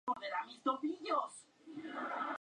Leslie teme que puede ser "dinero sucio", pero acepta.